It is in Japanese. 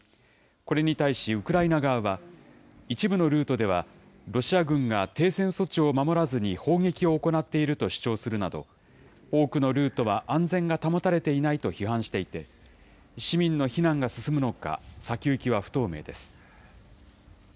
これに対しウクライナ側は、一部のルートでは、ロシア軍が停戦措置を守らずに砲撃を行っていると主張するなど、多くのルートは安全が保たれていないと批判していて、市民の避難が進むのか、先行きは不透明です。